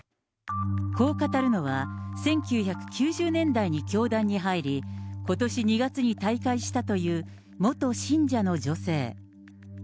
こう語るのは、１９９０年代に教団に入り、ことし２月に退会したという、元信者の女性。